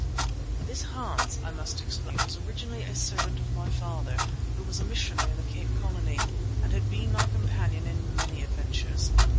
This Hans, I must explain, was originally a servant of my father, who was a missionary in the Cape Colony, and had been my companion in many adventures.